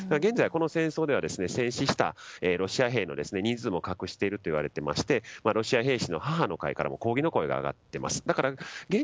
現在この戦争では戦死したロシア兵の人数も隠しているといわれていましてロシア兵士の母の会からも抗議の声が上がっています。